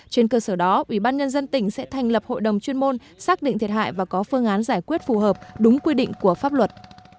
trên cơ sở đó ủy ban nhân dân tỉnh sẽ thành lập hội đồng chuyên môn xác định thiệt hại và có phương án giải quyết phù hợp đúng quy định của pháp luật